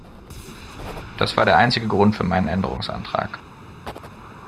Das war der einzige Grund für meinen Änderungsantrag.